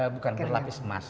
bukan berlapis emas